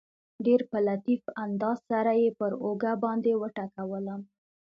ډېر په لطیف انداز سره یې پر اوږه باندې وټکولم.